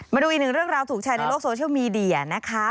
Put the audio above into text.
มาดูอีกหนึ่งเรื่องราวถูกแชร์ในโลกโซเชียลมีเดียนะคะ